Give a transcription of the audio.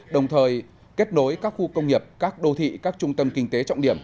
đồng thời kết nối các khu công nghiệp các đô thị các trung tâm kinh tế trọng điểm